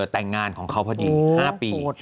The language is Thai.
แต่งงานของเขาพอดี๕ปี